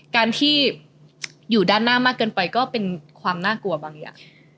การที่อยู่ด้านหน้ามากเกินไปก็เป็นความน่ากลัวบางอย่าง